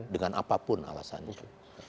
dengan apapun alasannya